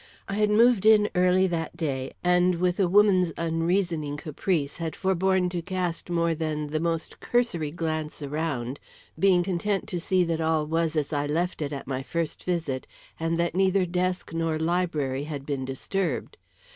I had moved in early that day, and with a woman's unreasoning caprice had forborne to cast more than the most cursory glance around, being content to see that all was as I left it at my first visit, and that neither desk nor library had been disturbed.